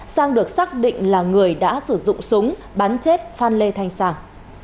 sang được xác định là người đã sử dụng súng bắn chết phan lê thanh sàng